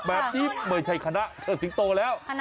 แบบนี้ไม่ใช่คณะเชิดสิงโตแล้ว